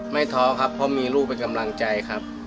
ท้อครับเพราะมีลูกเป็นกำลังใจครับ